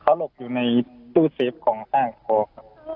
เขาหลบอยู่ในตู้เซฟของห้างทองครับ